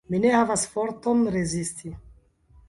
Mi ne havis forton rezisti.